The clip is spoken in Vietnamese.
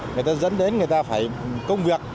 người ta dẫn đến người ta phải công việc